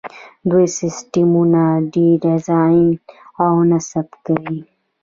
دوی سیسټمونه ډیزاین او نصب کوي.